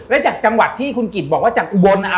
แล้วจากจังหวัดที่คุณกิจบอกว่าจากอุบล